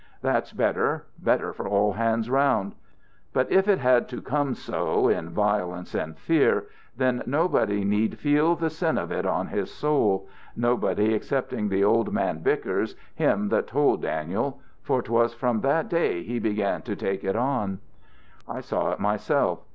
That's better, better for all hands round. But if it had to come so, in violence and fear, then nobody need feel the sin of it on his soul nobody excepting the old man Bickers, him that told Daniel. For 'twas from that day he began to take it on. "I saw it myself.